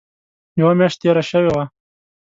یوه میاشت تېره شوې وه.